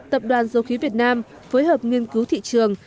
tập đoàn dầu khí việt nam phối hợp nghiên cứu thị trường